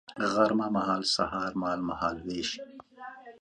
غرمه مهال سهار مهال ، مهال ویش